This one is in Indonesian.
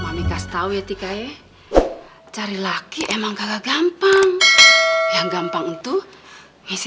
mami kasih tahu ya tikai cari laki musik negampang yang gampang untuk ngisi